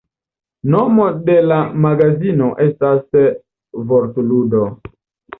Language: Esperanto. Nomo de la magazino estas vortludo.